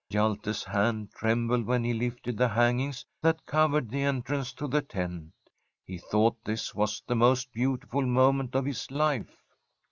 Hjalte's hand trembled when he lifted the hangings that covered the entrance to the tent. He thought this was the most beautiful moment of his life.